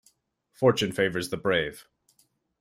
Fortune favours the brave.